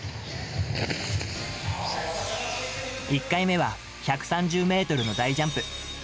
１回目は１３０メートルの大ジャンプ。